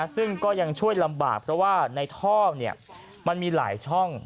ซึ่งก็ยังช่วยลำบากเพราะว่าในท่อมันมีหลายช่อง